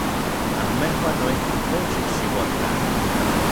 Anmejuan noijki ijkon xikchiuakan.